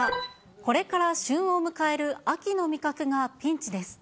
これから旬を迎える秋の味覚がピンチです。